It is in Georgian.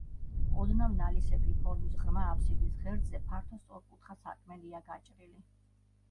ოდნავ ნალისებრი ფორმის ღრმა აბსიდის ღერძზე ფართო სწორკუთხა სარკმელია გაჭრილი.